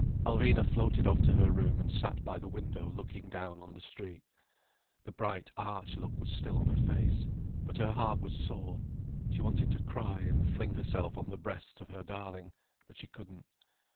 Alvina floated off to her room, and sat by the window looking down on the street. The bright, arch look was still on her face. But her heart was sore. She wanted to cry, and fling herself on the breast of her darling. But she couldn't.